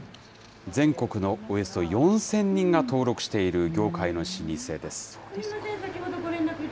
全国のおよそ４０００人が登録している業界の老舗です。